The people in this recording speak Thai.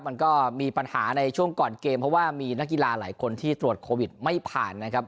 มันก็มีปัญหาในช่วงก่อนเกมเพราะว่ามีนักกีฬาหลายคนที่ตรวจโควิดไม่ผ่านนะครับ